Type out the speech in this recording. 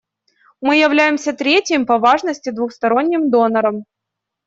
Мы являемся третьим по важности двусторонним донором.